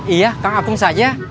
iya kang akum saja